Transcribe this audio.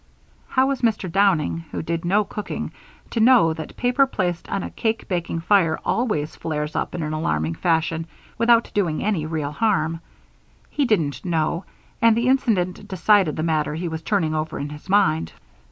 How was Mr. Downing, who did no cooking, to know that paper placed on a cake baking fire always flares up in an alarming fashion without doing any real harm? He didn't know, and the incident decided the matter he was turning over in his mind.